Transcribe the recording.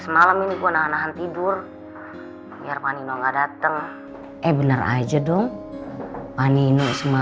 sebenernya gini sayang mama